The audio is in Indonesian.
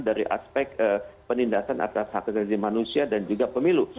dari aspek penindasan atas hak asasi manusia dan juga pemilu